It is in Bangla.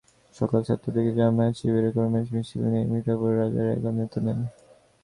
সকাল সাতটার দিকে জামায়াত-শিবিরের কর্মীরা মিছিল নিয়ে মিঠাপুকুর বাজার এলাকার নিয়ন্ত্রণ নেন।